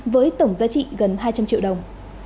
với tổng giá trị gần hai trăm linh triệu đồng